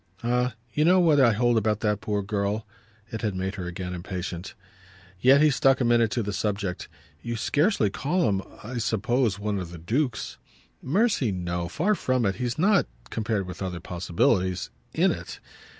"Ah you know what I hold about that poor girl!" It had made her again impatient. Yet he stuck a minute to the subject. "You scarcely call him, I suppose, one of the dukes." "Mercy, no far from it. He's not, compared with other possibilities, 'in' it.